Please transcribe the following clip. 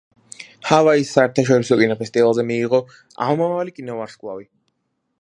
ჰავაის საერთაშორისო კინოფესტივალზე მიიღო ჯილდო „ამომავალი კინოვარსკვლავი“.